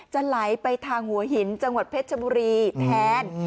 จะไหลไปทางหัวหินจังหวัดเพชรบุรีแทน